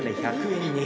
１００円に！